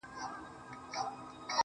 بس دوغنده وي پوه چي په اساس اړوي سـترگـي.